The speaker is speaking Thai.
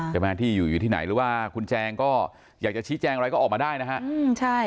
ใช่ไหมที่อยู่อยู่ที่ไหนหรือว่าคุณแจงก็อยากจะชี้แจงอะไรก็ออกมาได้นะฮะ